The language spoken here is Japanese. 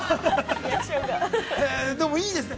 でもいいですね。